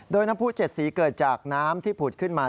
โดยน้ำผู้๗สีเกิดจากน้ำที่ผุดขึ้นมา